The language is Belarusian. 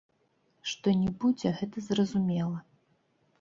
Што не будзе, гэта зразумела.